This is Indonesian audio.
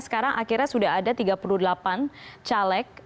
sekarang akhirnya sudah ada tiga puluh delapan caleg